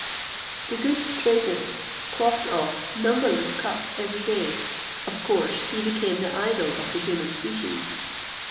The good Trajan quaffed off numberless cups every day: of course he became the idol of the human species.